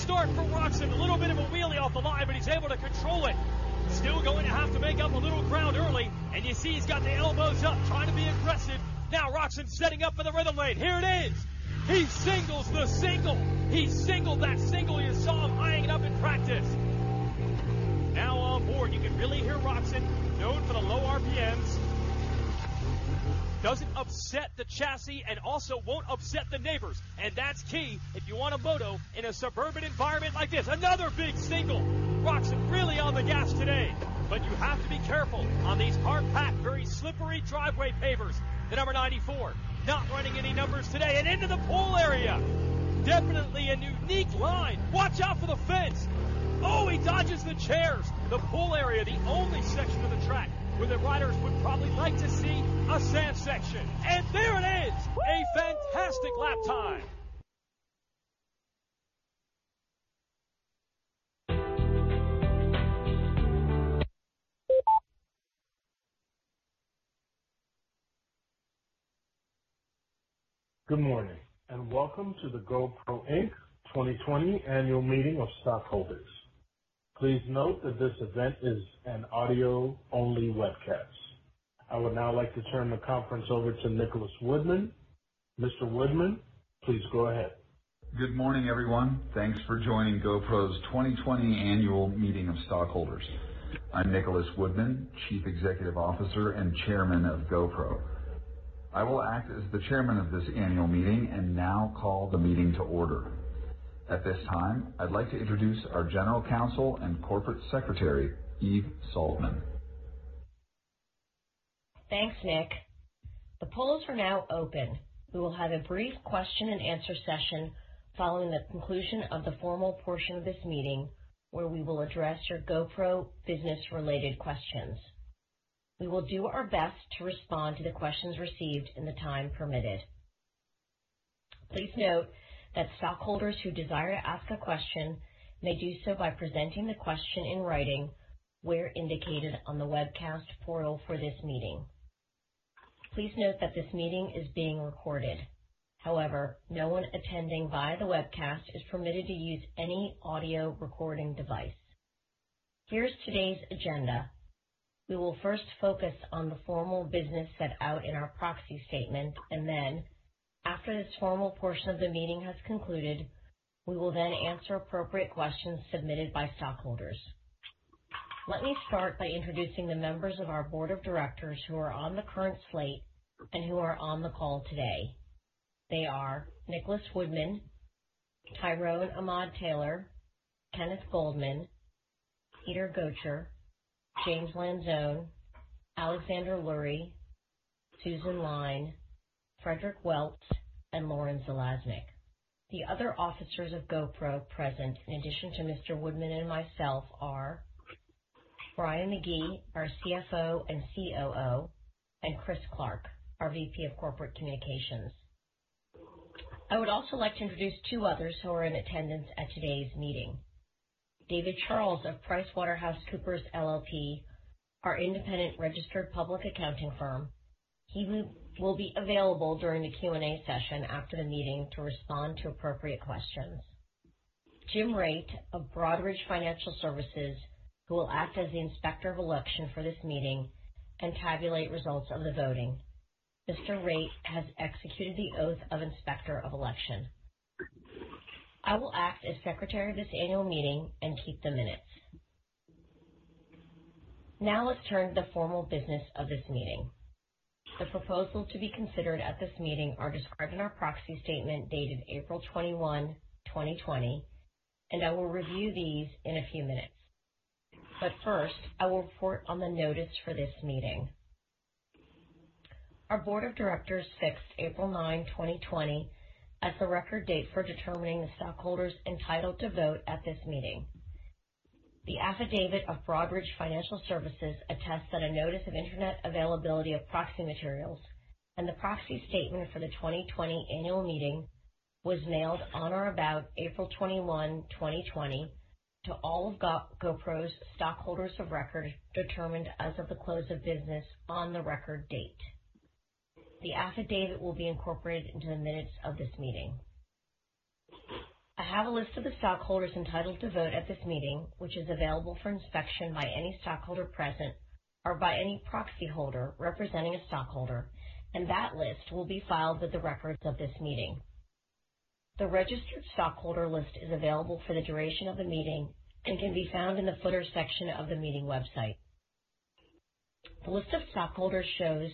Great start for Roczen. A little bit of a wheelie off the line, but he's able to control it. Still going to have to make up a little ground early, and you see he's got the elbows up, trying to be aggressive. Now Roczen's setting up for the rhythm lane. Here it is. He singles the single. He's singled that single you saw him highing it up in practice. Now on board, you can really hear Roczen, known for the low RPMs. Doesn't upset the chassis and also won't upset the neighbors, and that's key if you want a moto in a suburban environment like this. Another big single. Roczen really on the gas today, but you have to be careful on these hard-packed, very slippery driveway pavers. The number 94, not running any numbers today, and into the pool area. Definitely a unique line. Watch out for the fence. Oh, he dodges the chairs. The pool area, the only section of the track where the riders would probably like to see a sand section. There it is. A fantastic lap time. Good morning and welcome to the GoPro Inc 2020 annual meeting of stockholders. Please note that this event is an audio-only webcast. I would now like to turn the conference over to Nicholas Woodman. Mr. Woodman, please go ahead. Good morning, everyone. Thanks for joining GoPro's 2020 annual meeting of stockholders. I'm Nicholas Woodman, Chief Executive Officer and Chairman of GoPro. I will act as the Chairman of this annual meeting and now call the meeting to order. At this time, I'd like to introduce our General Counsel and Corporate Secretary, Eve Saltman. Thanks, Nick. The polls are now open. We will have a brief question-and-answer session following the conclusion of the formal portion of this meeting, where we will address your GoPro business-related questions. We will do our best to respond to the questions received in the time permitted. Please note that stockholders who desire to ask a question may do so by presenting the question in writing where indicated on the webcast portal for this meeting. Please note that this meeting is being recorded. However, no one attending via the webcast is permitted to use any audio recording device. Here's today's agenda. We will first focus on the formal business set out in our proxy statement, and then after this formal portion of the meeting has concluded, we will then answer appropriate questions submitted by stockholders. Let me start by introducing the members of our board of directors who are on the current slate and who are on the call today. They are Nicholas Woodman, Tyrone Ahmad-Taylor, Kenneth Goldman, Peter Gotcher, Jim Lanzone, Alexander Lurie, Susan Lyne, Frederic Welts, and Lauren Zalaznick. The other officers of GoPro present, in addition to Mr. Woodman and myself, are Brian McGee, our CFO and COO, and Chris Clark, our VP of Corporate Communications. I would also like to introduce two others who are in attendance at today's meeting. David Charles of PricewaterhouseCoopers LLP, our independent registered public accounting firm. He will be available during the Q&A session after the meeting to respond to appropriate questions. Jim Raitt of Broadridge Financial Services, who will act as the inspector of election for this meeting and tabulate results of the voting. Mr. Raitt has executed the oath of inspector of election. I will act as secretary of this annual meeting and keep the minutes. Now let's turn to the formal business of this meeting. The proposals to be considered at this meeting are described in our proxy statement dated April 21, 2020, and I will review these in a few minutes. First, I will report on the notice for this meeting. Our board of directors fixed April 9, 2020, as the record date for determining the stockholders entitled to vote at this meeting. The affidavit of Broadridge Financial Services attests that a notice of internet availability of proxy materials and the proxy statement for the 2020 annual meeting was mailed on or about April 21, 2020, to all of GoPro's stockholders of record determined as of the close of business on the record date. The affidavit will be incorporated into the minutes of this meeting. I have a list of the stockholders entitled to vote at this meeting, which is available for inspection by any stockholder present or by any proxy holder representing a stockholder, and that list will be filed with the records of this meeting. The registered stockholder list is available for the duration of the meeting and can be found in the footer section of the meeting website. The list of stockholders shows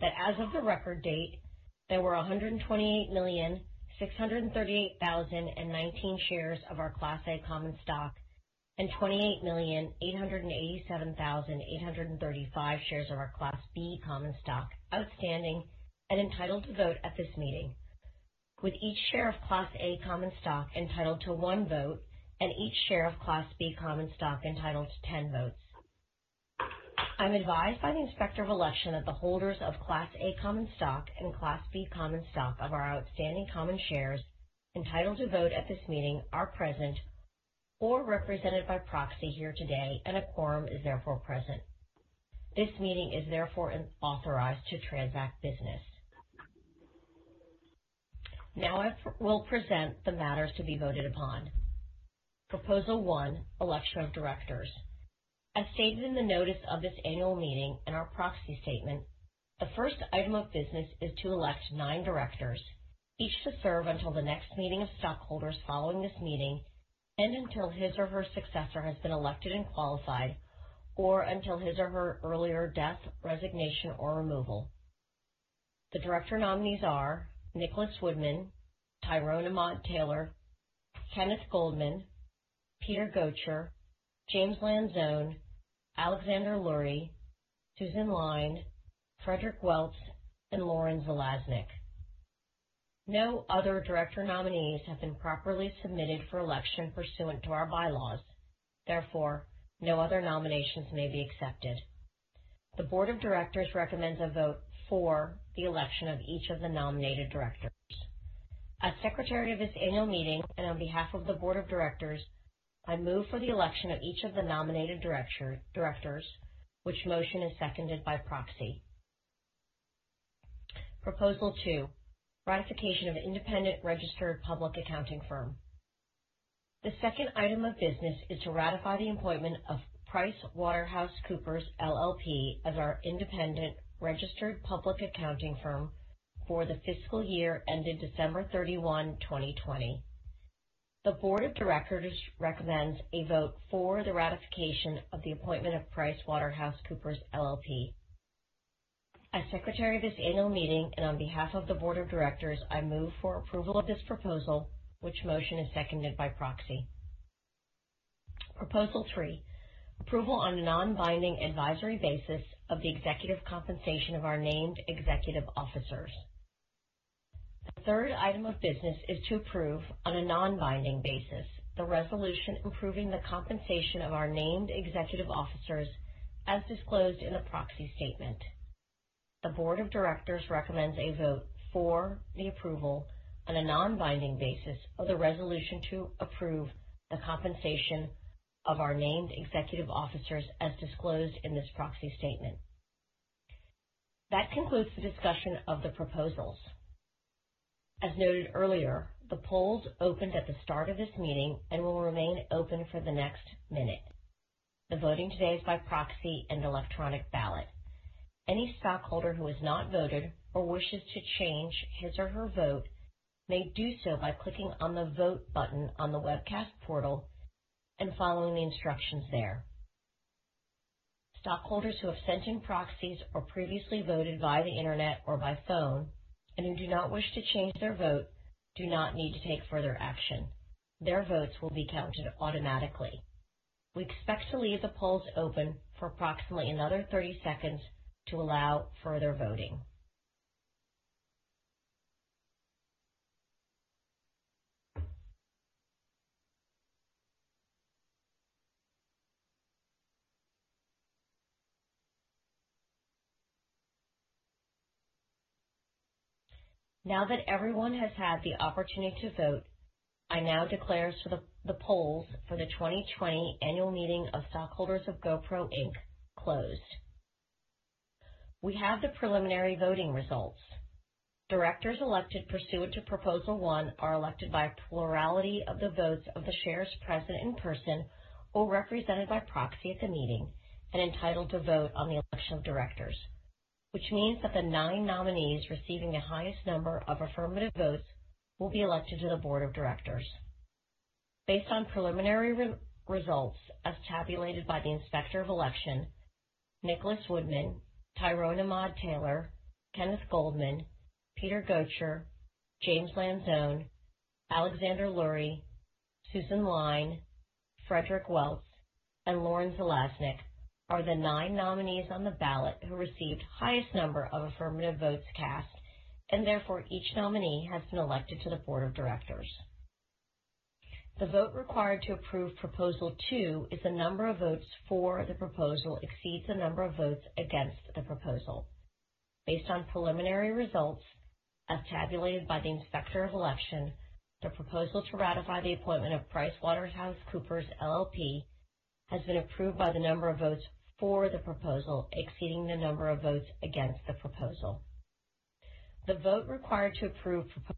that as of the record date, there were 128,638,019 shares of our Class A common stock and 28,887,835 shares of our Class B common stock outstanding and entitled to vote at this meeting, with each share of Class A common stock entitled to one vote and each share of Class B common stock entitled to 10 votes. I'm advised by the inspector of election that the holders of Class A common stock and Class B common stock of our outstanding common shares entitled to vote at this meeting are present or represented by proxy here today, and a quorum is therefore present. This meeting is therefore authorized to transact business. Now I will present the matters to be voted upon. Proposal one, election of directors. As stated in the notice of this annual meeting and our proxy statement, the first item of business is to elect nine directors, each to serve until the next meeting of stockholders following this meeting and until his or her successor has been elected and qualified, or until his or her earlier death, resignation, or removal. The director nominees are Nicholas Woodman, Tyrone Ahmad-Taylor, Kenneth Goldman, Peter Gotcher, Jim Lanzone, Alexander Lurie, Susan Lyne, Frederic Welts, and Lauren Zalaznick. No other director nominees have been properly submitted for election pursuant to our bylaws. Therefore, no other nominations may be accepted. The Board of Directors recommends a vote for the election of each of the nominated directors. As Secretary of this annual meeting and on behalf of the Board of Directors, I move for the election of each of the nominated directors, which motion is seconded by proxy. Proposal two, ratification of independent registered public accounting firm. The second item of business is to ratify the appointment of PricewaterhouseCoopers LLP as our independent registered public accounting firm for the fiscal year ended December 31, 2020. The Board of Directors recommends a vote for the ratification of the appointment of PricewaterhouseCoopers LLP. As Secretary of this annual meeting and on behalf of the Board of Directors, I move for approval of this proposal, which motion is seconded by proxy. Proposal three, approval on a non-binding advisory basis of the executive compensation of our named executive officers. The third item of business is to approve on a non-binding basis the resolution approving the compensation of our named executive officers as disclosed in the proxy statement. The board of directors recommends a vote for the approval on a non-binding basis of the resolution to approve the compensation of our named executive officers as disclosed in this proxy statement. That concludes the discussion of the proposals. As noted earlier, the polls opened at the start of this meeting and will remain open for the next minute. The voting today is by proxy and electronic ballot. Any stockholder who has not voted or wishes to change his or her vote may do so by clicking on the vote button on the webcast portal and following the instructions there. Stockholders who have sent in proxies or previously voted via the internet or by phone and who do not wish to change their vote do not need to take further action. Their votes will be counted automatically. We expect to leave the polls open for approximately another 30 seconds to allow further voting. Now that everyone has had the opportunity to vote, I now declare the polls for the 2020 annual meeting of stockholders of GoPro Inc closed. We have the preliminary voting results. Directors elected pursuant to Proposal One are elected by plurality of the votes of the shares present in person or represented by proxy at the meeting and entitled to vote on the election of directors, which means that the nine nominees receiving the highest number of affirmative votes will be elected to the board of directors. Based on preliminary results as tabulated by the inspector of election, Nicholas Woodman, Tyrone Ahmad-Taylor, Kenneth Goldman, Peter Gotcher, Jim Lanzone, Alexander Lurie, Susan Lyne, Frederic Welts, and Lauren Zalaznick are the nine nominees on the ballot who received the highest number of affirmative votes cast, and therefore each nominee has been elected to the board of directors. The vote required to approve Proposal Two is the number of votes for the proposal exceeds the number of votes against the proposal. Based on preliminary results as tabulated by the inspector of election, the proposal to ratify the appointment of PricewaterhouseCoopers LLP has been approved by the number of votes for the proposal exceeding the number of votes against the proposal. The vote required to approve Proposal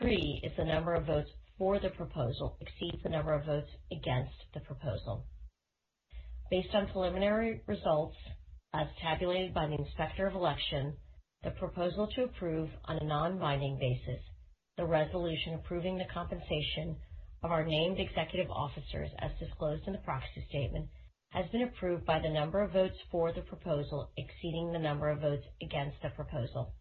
Three is the number of votes for the proposal exceeds the number of votes against the proposal. Based on preliminary results as tabulated by the inspector of election, the proposal to approve on a non-binding basis, the resolution approving the compensation of our named executive officers as disclosed in the proxy statement has been approved by the number of votes for the proposal exceeding the number of votes against the proposal.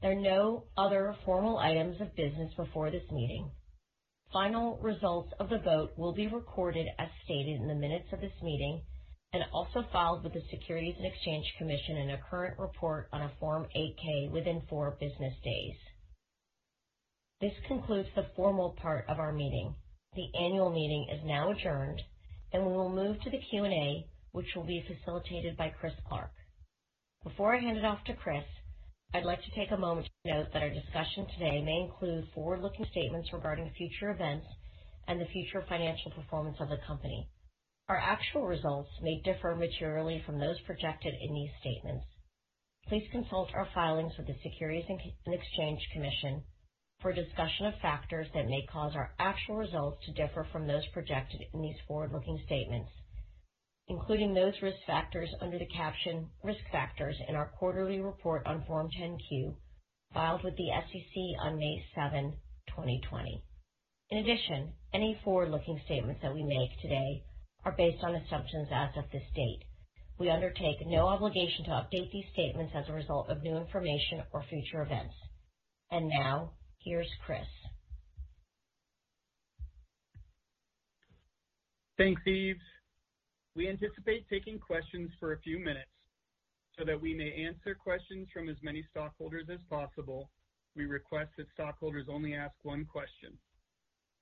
There are no other formal items of business before this meeting. Final results of the vote will be recorded as stated in the minutes of this meeting and also filed with the Securities and Exchange Commission in a current report on a Form 8-K within four business days. This concludes the formal part of our meeting. The annual meeting is now adjourned, and we will move to the Q&A, which will be facilitated by Chris Clark. Before I hand it off to Chris, I'd like to take a moment to note that our discussion today may include forward-looking statements regarding future events and the future financial performance of the company. Our actual results may differ materially from those projected in these statements. Please consult our filings with the Securities and Exchange Commission for discussion of factors that may cause our actual results to differ from those projected in these forward-looking statements, including those risk factors under the caption risk factors in our quarterly report on Form 10-Q filed with the SEC on May 7, 2020. In addition, any forward-looking statements that we make today are based on assumptions as of this date. We undertake no obligation to update these statements as a result of new information or future events. Now, here's Chris. Thanks, Eve. We anticipate taking questions for a few minutes so that we may answer questions from as many stockholders as possible. We request that stockholders only ask one question.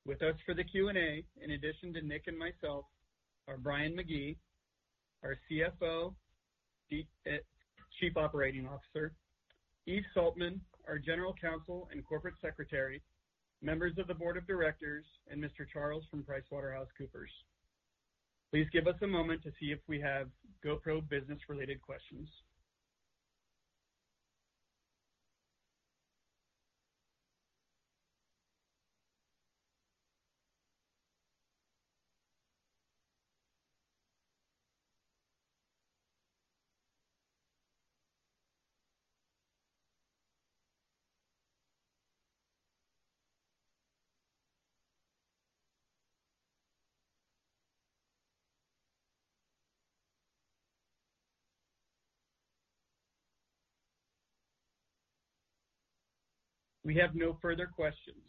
With us for the Q&A, in addition to Nick and myself, are Brian McGee, our CFO, Chief Operating Officer, Eve Saltman, our General Counsel and Corporate Secretary, members of the board of directors, and Mr. Charles from PricewaterhouseCoopers. Please give us a moment to see if we have GoPro business-related questions. We have no further questions.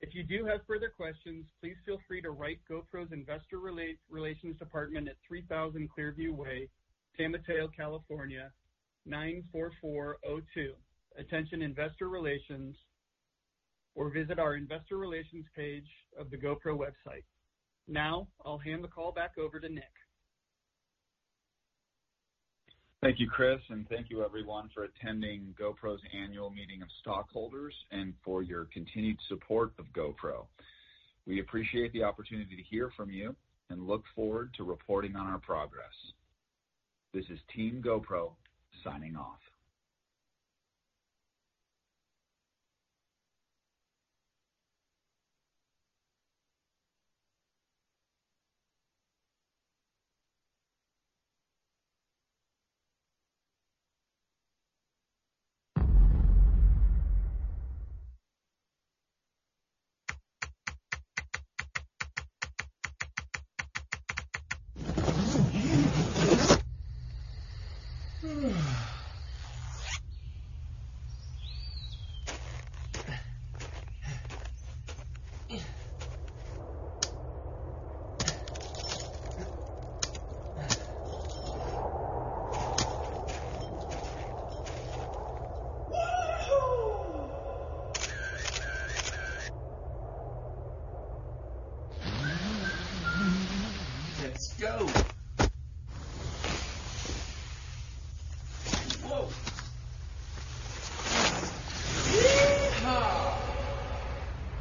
If you do have further questions, please feel free to write GoPro's investor relations department at 3000 Clearview Way, San Mateo, California 94402. Attention investor relations, or visit our investor relations page of the GoPro website. Now I'll hand the call back over to Nick. Thank you, Chris, and thank you everyone for attending GoPro's annual meeting of stockholders and for your continued support of GoPro. We appreciate the opportunity to hear from you and look forward to reporting on our progress. This is Team GoPro signing off. Let's go.